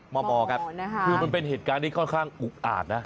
หมอครับหมอนะครับคือมันเป็นเหตุการณ์ที่ค่อนข้างอุบอาจนะ